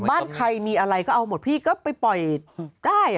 บ้านใครมีอะไรก็เอาหมดพี่ก็ไปปล่อยได้